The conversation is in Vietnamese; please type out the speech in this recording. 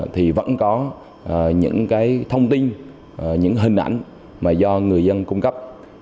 thì vẫn có những thông tin những hình ảnh mà do người dân cung cấp